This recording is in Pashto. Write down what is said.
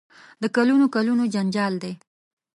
د کلونو کلونو جنجال دی.